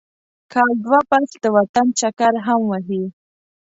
کال دوه پس د وطن چکر هم وهي.